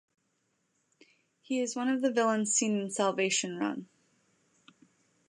He is one of the villains seen in "Salvation Run".